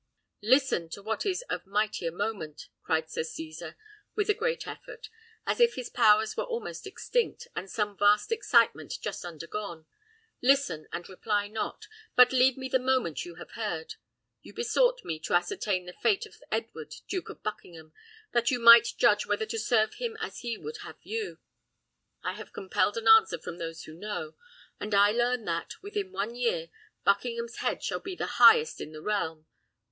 "Listen to what is of mightier moment," cried Sir Cesar, with a great effort, as if his powers were almost extinct with some vast excitement just undergone. "Listen, and reply not; but leave me the moment you have heard. You besought me to ascertain the fate of Edward, Duke of Buckingham, that you might judge whether to serve him as he would have you. I have compelled an answer from those who know, and I learn that, within one year, Buckingham's head shall be the highest in the realm.